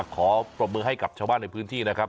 ขอปรบมือให้กับชาวบ้านในพื้นที่นะครับ